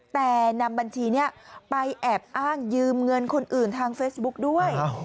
แต่นำบัญชีนี้ไปแอบอ้างยืมเงินคนอื่นทางเฟซบุ๊กด้วย